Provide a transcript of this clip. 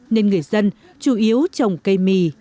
nên người dân chủ yếu trồng cây mì